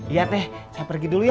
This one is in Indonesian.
iya teh saya pergi dulu ya